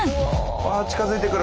わ近づいてくる。